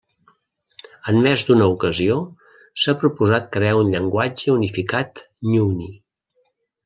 En més d'una ocasió s'ha proposat crear un llenguatge unificat nguni.